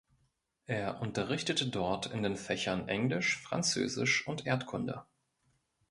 Er unterrichtete dort in den Fächern Englisch, Französisch und Erdkunde.